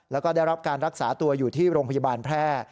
แล้วก็ได้รับการรักษาตัวอยู่ที่โรงพยาบาลแพร่